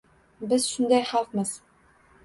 Biz shunday xalqmiz.